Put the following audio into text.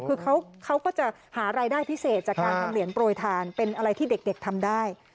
คือเขาก็จะหารายได้พิเศษจากการทำเหรียญโปรยทานเป็นอะไรที่เด็กทำได้